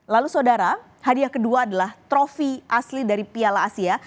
lalu saudara hadiah kedua adalah trofi asli dari piala asia